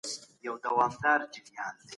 په تخیل کي د واقعیت رنګ ورګډ کړئ.